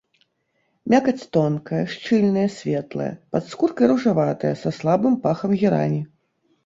Мякаць тонкая, шчыльная, светлая, пад скуркай ружаватая, са слабым пахам герані.